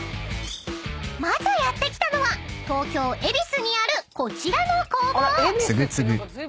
［まずやって来たのは東京恵比寿にあるこちらの工房］